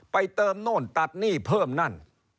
เติมโน่นตัดหนี้เพิ่มนั่น